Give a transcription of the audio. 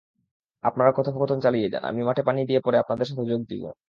আপনারা কথোপকথন চালিয়ে যান, আমি মাঠে পানি দিয়ে পরে আপনাদের সাথে যোগ দিব।